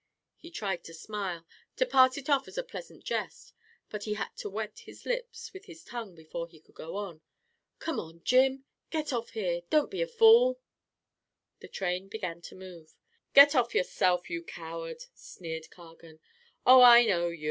He tried to smile, to pass it off as a pleasant jest, but he had to wet his lips with his tongue before he could go on. "Come on, Jim. Get off here. Don't be a fool." The train began to move. "Get off yourself, you coward," sneered Cargan. "Oh, I know you.